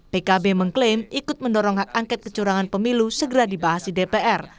pkb mengklaim ikut mendorong hak angket kecurangan pemilu segera dibahas di dpr